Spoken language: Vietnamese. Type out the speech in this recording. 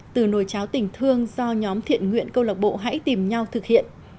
từ nồi cháo tình thương do nhóm thiện nguyện câu lạc bộ hãy tìm nhau thực hiện